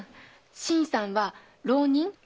新さんは浪人？